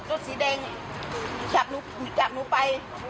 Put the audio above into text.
รถสีแดงกลับหนูไปช่วยหนูด้วย